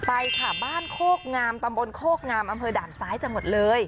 ไปค่ะบ้านโคกงามตำบลโคกงามอำเภอด่านซ้ายจังหวัดเลย